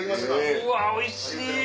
うわおいしい！